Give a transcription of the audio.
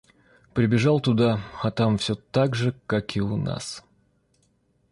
Прибежал туда а там всё так же как и у нас.